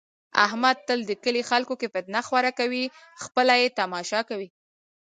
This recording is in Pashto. احمد تل د کلي خلکو کې فتنه خوره کوي، خپله یې تماشا کوي.